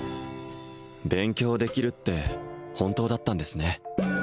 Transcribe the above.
勉強できるって本当だったんですね